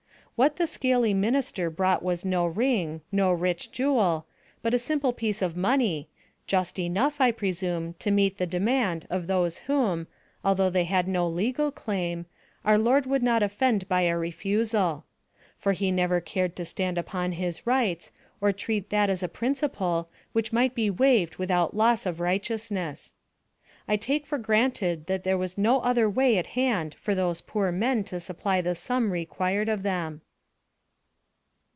What the scaly minister brought was no ring, no rich jewel, but a simple piece of money, just enough, I presume, to meet the demand of those whom, although they had no legal claim, our Lord would not offend by a refusal; for he never cared to stand upon his rights, or treat that as a principle which might be waived without loss of righteousness. I take for granted that there was no other way at hand for those poor men to supply the sum required of them.